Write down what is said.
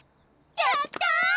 やった！